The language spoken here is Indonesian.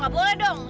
gak boleh dong